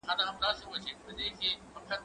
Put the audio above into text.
که وخت وي، کتاب وليکم؟؟